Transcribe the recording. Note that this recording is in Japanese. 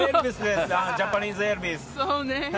ジャパニーズエルヴィス。